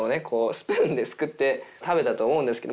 スプーンですくって食べたと思うんですけど。